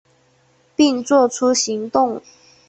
并做出行动